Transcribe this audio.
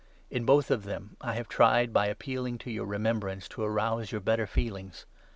jn both of them I have tried, by appealing to your remembrance, to arouse your better feelings.